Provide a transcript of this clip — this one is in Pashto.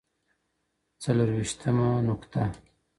څليرويشتمه نکته.